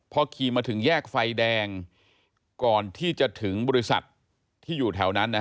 พอขี่มาถึงแยกไฟแดงก่อนที่จะถึงบริษัทที่อยู่แถวนั้น